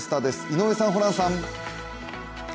井上さん、ホランさん。